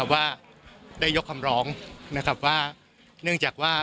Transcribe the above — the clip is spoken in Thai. ว่าได้ยกคำร้องนะครับว่าเนื่องจากว่า